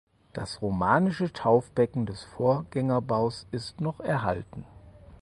Das romanische Taufbecken des Vorgängerbaus ist noch erhalten.